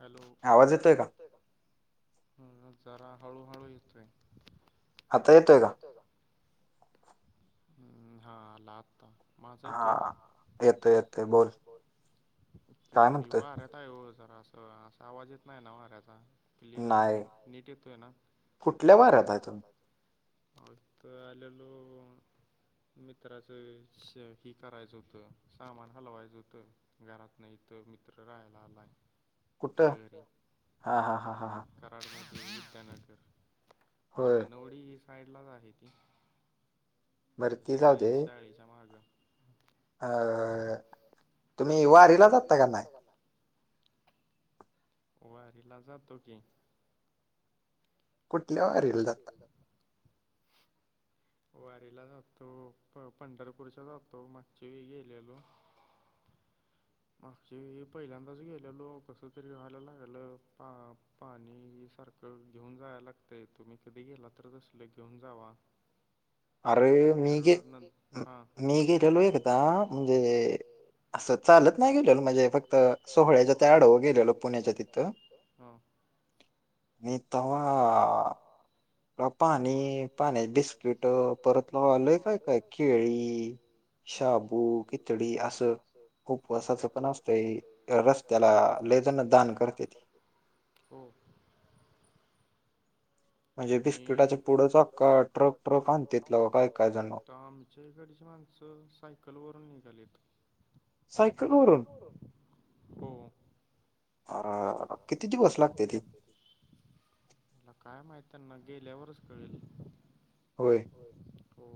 Hello आवाज येतोय का हम् जरा हळूहळू येतोय आता येतोय का हम् हा आला आता माझा येतोय का येतोय यैतोय बोल मी वाऱ्या आताय हो जर अस असा आवाज येत नाही ना वाऱ्याचा क्लिअर नीट येतोय ना कुठल्या वाऱ्यात आहे तुम्ही आता आलेलो मित्राचं श ह करायचं होतं सामान हलवायचं होतं घरात न इथं मित्र राहायला आलाय इथल्या घरी कराड मध्ये विद्यानगर म्हणजे बनवडी साईड लाच आहे ती चाळीस, चाळीस त्या माझा अ तुम्ही वारीला जाता का नाही वारीला जातो की कुठल्या वारीला जाता वारीेला जातो प पंढरपूरच्या जातो मागच्या वेळी गेलेलो मागच्या पहिल्यांदाच गेलेलो कसं तरी व्हायला लागलं पा पाणी ही सारखं घेऊन जाय लागतंय तुम्ही कधी गेला तर तसल घेऊन जावा [unintelligible] असं चालत नाही गेलेलो म्हणजे फक्त सोहळ्याच्या त्या आडव गेलेल पुण्याच्या तिथं ह मी तवा- पाणी पाण्याची बिस्किट, परतला आलोय काय काय केळी. शाबू खिचडी अस. उपवासाचं पण असतंय त्या रस्त्याला लई जण दान करत्याती. हो. मी- [unintelligible] [unintelligible] माणसं सायकलवरून निघालीत. सायकल वरून? अरा रा किती दिवस लागत्याते? मला काय माहित? त्यांना गेल्यावरच कळेल. होय. हो. हो.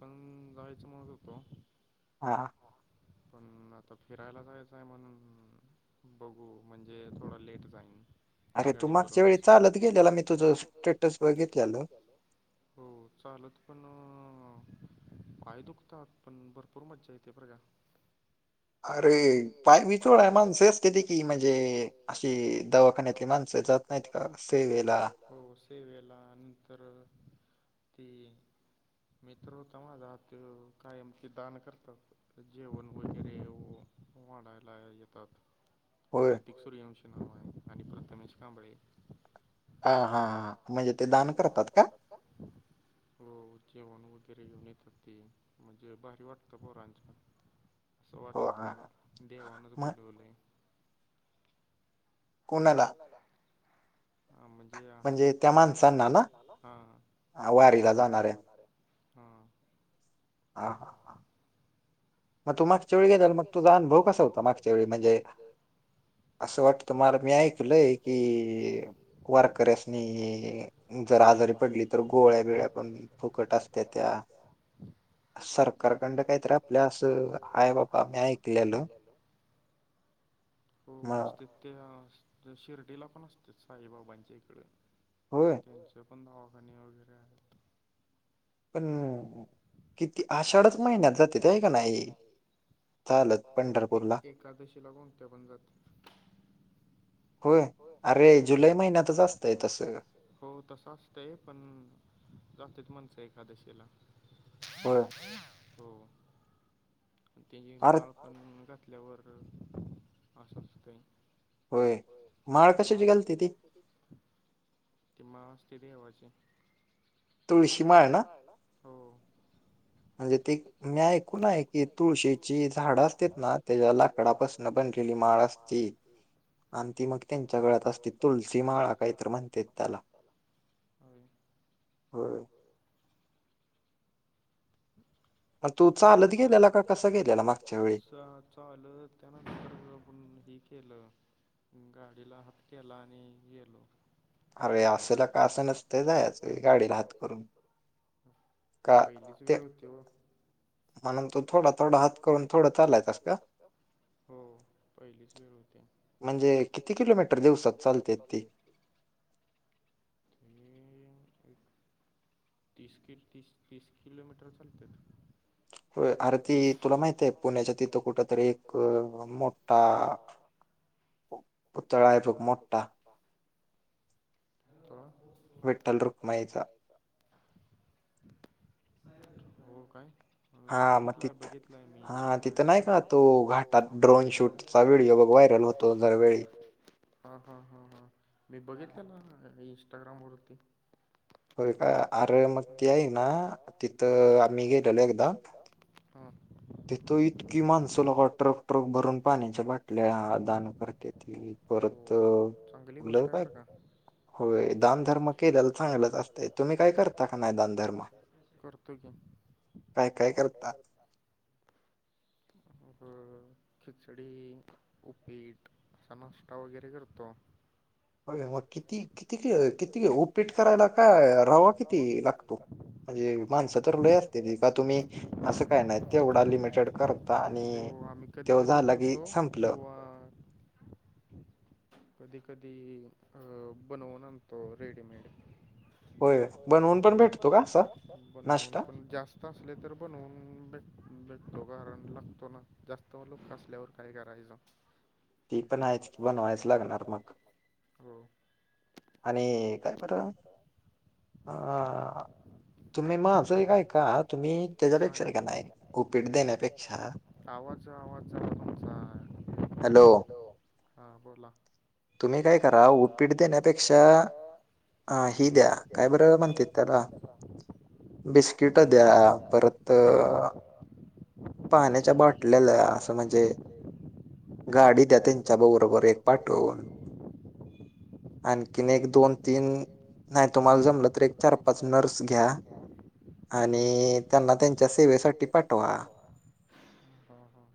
पण जायचं म्हणत होतो- हा. पण आता फिरायला जायचंय म्हणून- बघू म्हणजे थोडा लेट जाईन. गाडीवरूनच. [unintelligible] हो. चालत पण पाय दुखतात पण भरपूर मज्जा येत. ते [unintelligible] अरे [unintelligible] ती म्हणजे अशी दवाखान्यातली माण - [unintelligible] हो. सेवेला नंतर ती- मित्र होता माझा. त्यो कायम ते दान करतात. जेवण वगैरे व वाढायला येतात. होय. [unintelligible] आणि प्रथमेश कांबळे. हा. हा. हा. म्हणजे ते दान करतात का? हो. जेवण वगैरे नेतात ते. म्हणजे भारी वाटतं पोरांना. अस वाटत देवानच बोलवलय. कुणाल- -ला? हा. म्हणजे असं म्हणजे [unintelligible] वारीला जाणार आहे. हां. आ. म तू मागच्या वेळी गेलेला. मग तुझा अनुभव कसा होता? मागच्या वेळी म्हणजे- असं वाटत [unintelligible] [unintelligible] [unintelligible] काहीत [unintelligible] हो असतोय. त्या शिर्डीला पण असतात. साईबाबांच्या इकड. होय? त्यांचे पण दवाखाने वगैरे आहेत. पण, किती आषाढच महिन्यात जाते [unintelligible] [unintelligible] का नाही? हो. एक एकादशी लागून [unintelligible] हो. अरे, जुलै महिन्यातच असतेय तस. हो तसं असते पण माणसं जातात एकादशीला. बर. हो. त्याची एक माळ घातल्यावर अस अस काही... होय माळ कशाची घालते ती? पु [inaudible] ती माळ असते देवाची, तुळशी माळ ना? हो. म्हणजे ते म्या म ऐकून आहे की तुळशीची झाडं असतात ना तेच्या लाकडा पासन पण ते ती माळ असते. शांती म [inaudible] त्यांच्या गळ्यात असते तुळचीमाळा काहीतरी म्हणतेत त्याला. होय. होय. हो [inaudible] ला का कसला [inaudible] आलं त्यान आपण हे केलं गाडीला हात केला आणि गेलो. अरे आपेला का असाला जा गाडी हात करून. पहिलीच वेळ होते हो, म्हणून तो थोडा, थोडा हात करून थोड चालायचं असता हो पहिलीच वेळ होती. म्हणजे किती किलोमीटर दिवसात चालते ते? हम्म एक तीस कि तीस, तीस किलोमीटर चालते. हो आरती तुला माहित आहे पुण्याच्या तिथं कुठ तरी एक मोठा पुतळा आहे तो मोठा? तला [inaudible] विठ्ठल रुक्माई चा? हो काय बघितलाय, बघितलाय मी छान आहे छान. दर वेळी हा हां हां हां मी बघितल ना इंस्टाग्रामवरती. ते का अरे मध्ये ना इथ आम्ही गेलतो एकदा हा.. तिथो इतकी माणसं लेका ट्रक, ट्रक भरून पाण्याच्या बाटल्या दान करते ती परत बोल ना काय होय दानधर्म केल्याला चांगलंच असतय. तुम्ही काय करता का नाही दानधर्म? काय, काय करता. खिचडी, उपीट नाष्टा वगैरे करतो. अ मग किती, किलो, किती उपेट करायला काय रवा किती लागतो? म्हणजे माणसं तर लय असतेली का तुम्ही असं काय नाही तेवढा लिमिटेड करता आणि कधी, कधी करतो किंवा कधी, कधी अ बनवून आणंतो रेडीमेड. होय, बणवुन पण भेटतो काय? बणवून पण जास्त जात असले तर बनवून भेट भेटतो कारण लागतो ना जास्त लोक असल्यावर काय करायचं. ते तर काय बणवायाच लागणार मग हो. आणि काय बरं अ तुम्ही माझं एक ऐका तुम्ही त्याच्यापेक्षा हाय का नाय उपीट देण्यापेक्षा आवाज आवाज तुमचा [unintelligible] हॅलो हा बोला तुम्ही काय करा उपीठ देण्या पेक्षा अ ही द्या काय बर म्हणत्यात त्याला बिस्किट द्या परत पाण्याच्या बाॉटल्याला असं म्हणजे गाडी द्या त्यांच्याबरोबर एक पाठवून [inaudible] आणि की नाय एक दोन तीन नाय तुम्हाला जमलं त एक चार पाच नर्स घ्या हो आणि त्यांना त्यांच्या सेवेसाठी पाठवां ह ह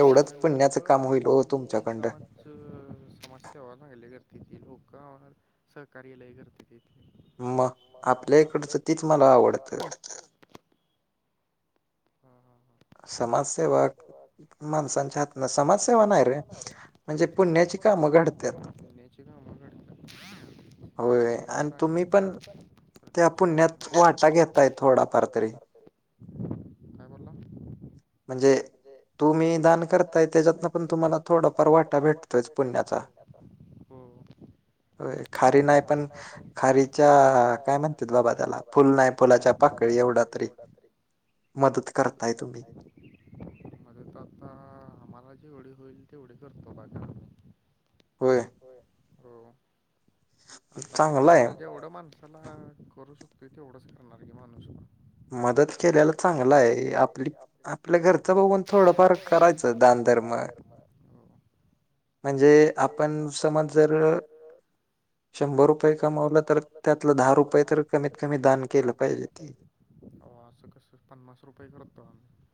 ह नाय लोक आमच्या इथली समान समस्या व लागल्या करते की लोक [unintelligible] सहकार्या लय करत्याती म आपल्याइकडचं तेच मला वाट ह ह ह समाजसेवक माणसांच्या हातना समाजसेवा नाय रे म्हणजे पुण्याची काम [unintelligible] पुण्याची काम घडता ते तर हाय [unintelligible] प्रत्येक [unintelligible] थोडा फार तरी काय बोलला म्हणजे तुम्ही दान करताय त्याज्यातना पण तुम्हाला थोडाफार वाटा भेटतोयच पुण्याचा हो. खारी नाय पण खारीचा काय म्हणतात बाबा त्याला फुल नाय फुलाच्या पाकळी एवढा तरी मदत करत नाहीत - मदत आता आम्हाला जेवढी होईल तेवढी करतो बघा आम्ही होय हो आता आपल्याला जेवढं मानं त्याला करू शकतो तेवढंच करणार की माणूस पण मदत केल्याल चांगल चांगलंय आप आपल्या घरच नाय म्हणता मदत करायचं दानधर्म म्हणजे आपण समज जर शंभर रुपये कमवलं तर त्यातलं दहा रुपये तर कमीत कमी दान केलं पाहिजे. आहो असं कसं पन्नास रुपये करतो आम्ही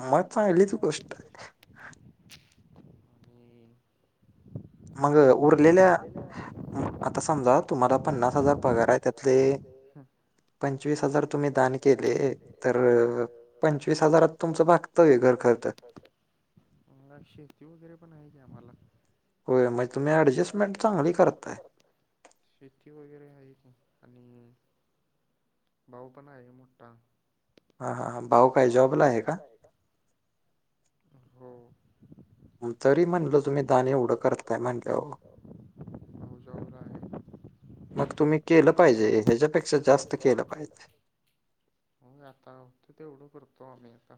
मग चांगली गोष्टय हूं मंग उरलेल्या म आता समजा तुम्हाला पन्नास हजार पगार हाय त्यातले पंचवीस हजार तुम्ही दान केले तर त पंचवीस हजारात तुमचं भागतं व्हय घर खर्च नाय शेती वगैरे पण हाय की आम्हाला हो म तुला अडजेस्टमेंट चागली करता शेती वगैरे हाय की आणि भाऊ पण हाये मोठा हा भाऊ काय जॉबला आहे का हो तरी म्हणल तुम्ही का नी एवढं करता म्हणल भाऊ जॉब ला आहे. मग तुम्ही केलं पाहिजे ह्याज्यापेक्षा जास्त केलं पाहिजे. होय आता होत तेवढं करतो आम्ही आता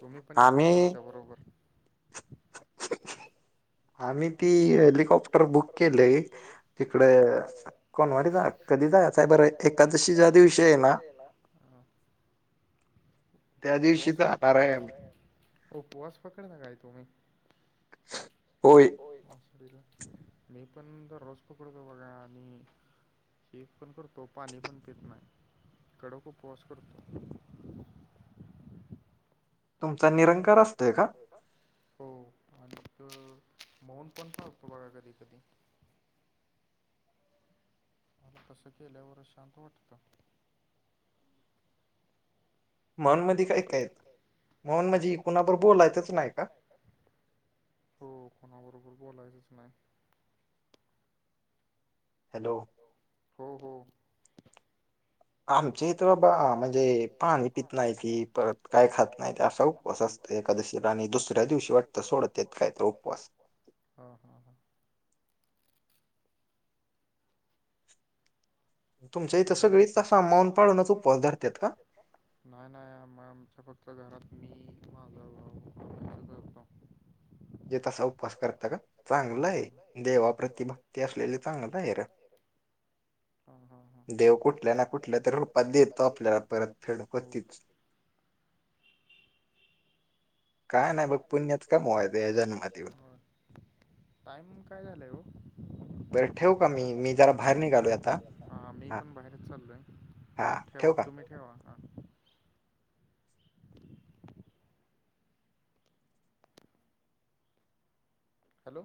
तुम्ही पण येताय काय आमच्या बरोबर? आम्ही ती हेलिकॉप्टर बुक केलय तिकड सोमवारी जा कधी जायाचाय बर एकादीशी च्या दीवशीय ना? हा. उपवास पक [unintelligible] उपवास पकडता काय तुम्ही? होय. होय. मसरीला मी पण दररोज पकडतो बघा आणि ते पण करतो पाणी पण पेत नाही कडक उपवास करतो. तुमचा निरंकार असतय का? हो आणिक मौन पण पाळतो बघा कधी कधी. मला तसं केल्यावरच शांत वाटतं. मौन म्हणजी काय -काय? काय? मौन म्हणजे कोणाबर बोलायचच नाही काय? हो कोणाबरोबर बोलायचंच नाही. हॅलो! हॅलो! हो - हो. आमचे इथ बाबा म्हणजे पाणी पित नाहीत परत काय खात नाहीत असा उपवास तसच एकादशीला आणि दुसऱ्या दिवशी वाटत सोडतेत काय तर उपवास ह - ह. चांगला आहे की, सगळीच काय श्रावण पाळूनच उपवास धरत्यात का? नाही नाही आम आमच्या फक्त घरात मी माझा भाऊ आस धरतो. जे तसा उपवास करता का चांगलय देवाप्रति भक्ती असलेली चांगलं आहे र. [inaudible] हा हा ह. देव कुठल्या ना कुठल्या तरी रूप देतो आपल्याला फळ. हो. का नाही बघ [unintelligible] टाइम काय झालाय हो? हा बर ठेऊ काय मी? हा - हा मी पण बाहेरच चाललोय. हा ठेऊ का. ठेवा हां. हॅलो!